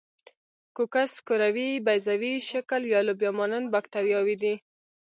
کوکس کروي، بیضوي شکل یا لوبیا مانند باکتریاوې دي.